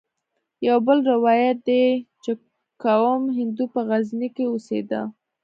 يو بل روايت ديه چې کوم هندو په غزني کښې اوسېده.